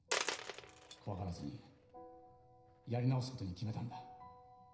怖がらずにやり直すことに決めたんだ。